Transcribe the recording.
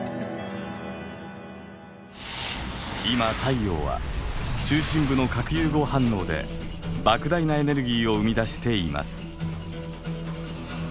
今太陽は中心部の核融合反応で莫大なエネルギーを生み出しています。